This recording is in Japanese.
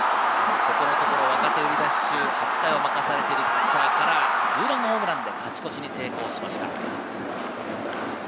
若手売り出し中、８回を任されているピッチャーからツーランホームランで勝ち越しに成功しました。